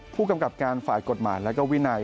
ผู้กำกับการฝ่ายกฎหมายและก็วินัย